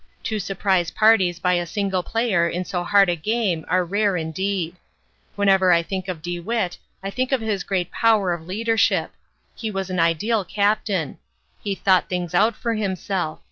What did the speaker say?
Two surprise parties by a single player in so hard a game are rare indeed. Whenever I think of DeWitt I think of his great power of leadership. He was an ideal captain. He thought things out for himself.